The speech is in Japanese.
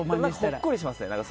ほっこりしますね。